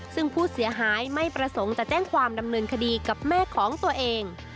ซึ่งผู้เสียหายไม่ประสงค์จะแจ้งความดำเนินคดีกับแม่ของตัวเอง